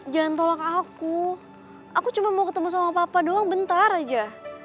jangan tolak aku aku cuma mau ketemu sama papa doang bentar aja